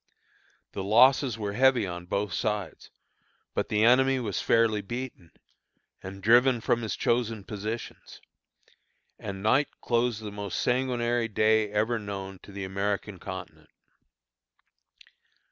The losses were heavy on both sides, but the enemy was fairly beaten, and driven from his chosen positions; and night closed the most sanguinary day ever known to the American continent.